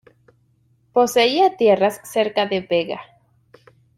Poseía tierras cerca de Bega.